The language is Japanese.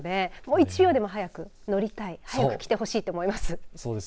１秒でも早く乗りたい早く来てほしいと思います。